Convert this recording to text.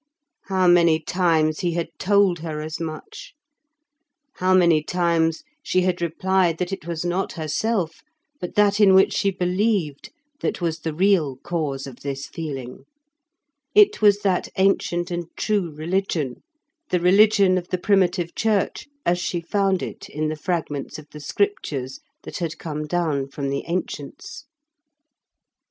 How many times he had told her as much! How many times she had replied that it was not herself, but that in which she believed, that was the real cause of this feeling! It was that ancient and true religion; the religion of the primitive church, as she found it in the fragments of the Scriptures that had come down from the ancients.